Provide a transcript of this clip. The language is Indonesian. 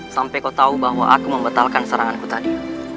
sampai kau tahu bahwa aku membatalkan seranganku tadi